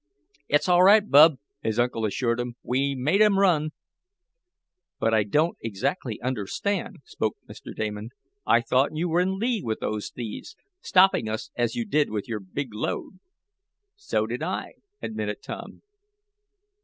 "It's all right, Bub," his uncle assured him. "We made 'em run." "But I don't exactly understand," spoke Mr. Damon. "I thought you were in league with those thieves, stopping us as you did with your big load." "So did I," admitted Tom.